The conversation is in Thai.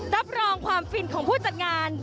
รับรองความฟินของผู้จัดงาน